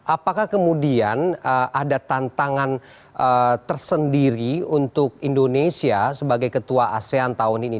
apakah kemudian ada tantangan tersendiri untuk indonesia sebagai ketua asean tahun ini